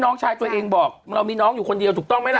น้องชายตัวเองบอกเรามีน้องอยู่คนเดียวถูกต้องไหมล่ะ